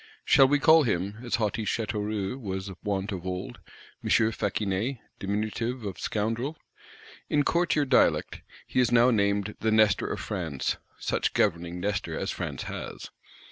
Shall we call him, as haughty Châteauroux was wont of old, "M. Faquinet (Diminutive of Scoundrel)"? In courtier dialect, he is now named "the Nestor of France;" such governing Nestor as France has.